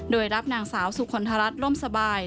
โดยรับนางสาวสุขนทรัศน์ร่มสบาย